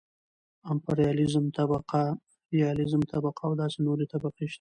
امپرياليزم طبقه ،رياليزم طبقه او داسې نورې طبقې شته .